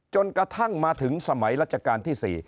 จนกระทั่งมาถึงสมัยรัชกาลที่๔